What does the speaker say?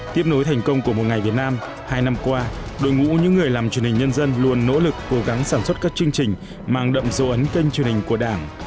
tiếp nối thành công của một ngày việt nam hai năm qua đội ngũ những người làm truyền hình nhân dân luôn nỗ lực cố gắng sản xuất các chương trình mang đậm dấu ấn kênh truyền hình của đảng